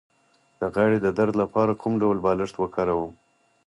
د غاړې د درد لپاره کوم ډول بالښت وکاروم؟